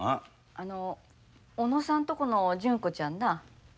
あの小野さんとこの純子ちゃんな。